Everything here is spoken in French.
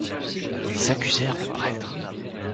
Ils accusèrent le prêtre.